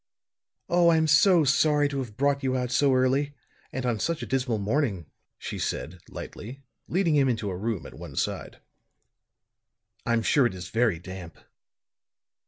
"Oh, I'm so sorry to have brought you out so early and on such a dismal morning," she said, lightly, leading him into a room at one side. "I'm sure it is very damp."